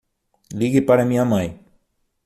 Ligue para a minha mãe.